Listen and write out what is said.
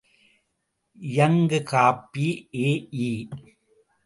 இயங்கு கப்பி எ.இ.